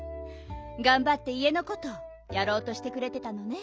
がんばっていえのことやろうとしてくれてたのね。